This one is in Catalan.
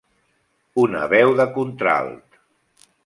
Una veu de contralt.